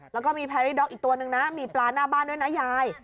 แล้วก็มีแพรรี่ด็อกอีกตัวนึงนะมีปลาหน้าบ้านด้วยนะยาย